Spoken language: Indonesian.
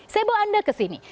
saya bawa anda kesini